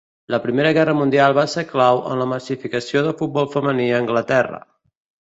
La Primera Guerra Mundial va ser clau en la massificació del futbol femení a Anglaterra.